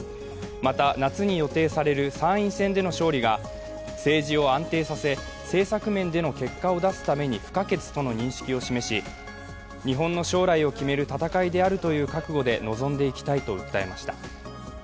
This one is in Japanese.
また、夏に予定される参院選での勝利が政治を安定させ、政策面での結果を出すために不可欠との認識を示し日本の将来を決める戦いであるという覚悟で臨んでいきたいと訴えました。